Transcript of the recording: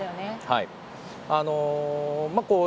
はい。